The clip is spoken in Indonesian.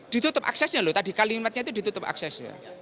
ditutup aksesnya loh tadi kalimatnya itu ditutup aksesnya